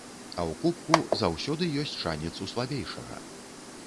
А ў кубку заўсёды ёсць шанец у слабейшага.